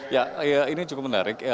ya ini cukup menarik